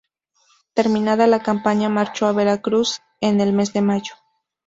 Terminada la campaña, marchó a Veracruz en el mes de mayo.